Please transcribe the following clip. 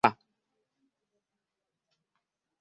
Omwezi gulina engeri gye gudduka.